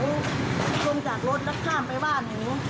หนูรู้แล้วว่าลูกค้าคนนี้เป็นลักษณะแบบนี้